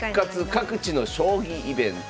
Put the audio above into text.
各地の将棋イベント」。